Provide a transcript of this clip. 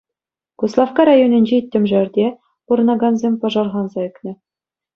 Куславкка районӗнчи Тӗмшерте пурӑнакансем пӑшарханса ӳкнӗ.